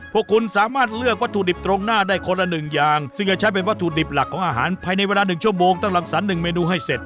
พวกคุณสามารถเลือกวัตถุดิบตรงหน้าได้คนละหนึ่งอย่างซึ่งจะใช้เป็นวัตถุดิบหลักของอาหารภายในเวลา๑ชั่วโมงตั้งรังสรรค์หนึ่งเมนูให้เสร็จ